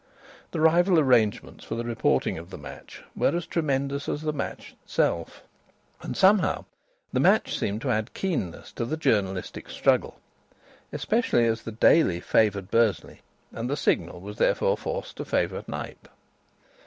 The rival arrangements for the reporting of the match were as tremendous as the match itself, and somehow the match seemed to add keenness to the journalistic struggle, especially as the Daily favoured Bursley and the Signal was therefore forced to favour Knype.